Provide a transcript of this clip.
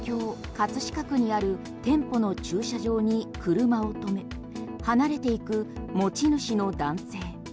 葛飾区にある店舗の駐車場に車を止め離れていく、持ち主の男性。